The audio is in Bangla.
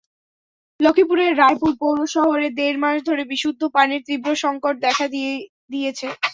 লক্ষ্মীপুরের রায়পুর পৌর শহরে দেড় মাস ধরে বিশুদ্ধ পানির তীব্র সংকট দেখা দিয়েছে।